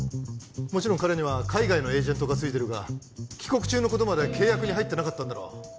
もちろん彼には海外のエージェントがついてるが帰国中のことまでは契約に入ってなかったんだろう